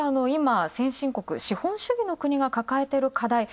今、先進国、資本主義の国が抱えている課題